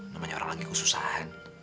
nomornya orang lagi keususan